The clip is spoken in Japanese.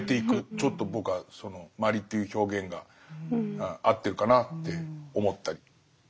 ちょっと僕はその「マリ」という表現が合ってるかなって思ったり。